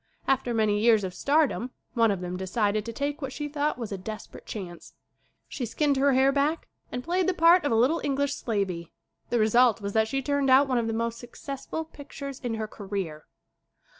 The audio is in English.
After many years of stardom one of them de cided to take what she thought was a desperate chance. She skinned her hair back and played the part of a little English slavey. The result was that she turned out one of the most suc cessful pictures in her career.